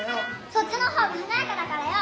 そっちの方がはなやかだからよ！